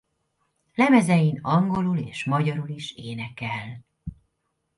Lemezein angolul és magyarul is énekel.